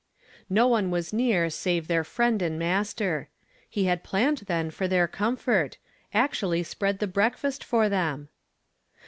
No one was near save their Friend and Master. He had planned, then, for their comfort, — actually spread the breakfast for them